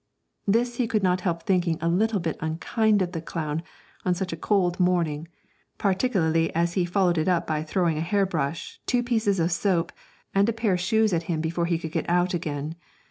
This he could not help thinking a little bit unkind of the clown on such a cold morning, particularly as he followed it up by throwing a hair brush, two pieces of soap, and a pair of shoes at him before he could get out again.